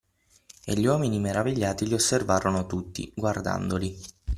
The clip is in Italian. E gli uomini meravigliati li osservarono tutti, guardandoli.